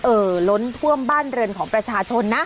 ล้นท่วมบ้านเรือนของประชาชนนะ